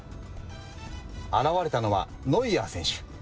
現れたのはノイアー選手。